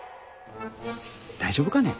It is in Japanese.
大丈夫かね。